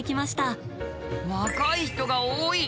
若い人が多い。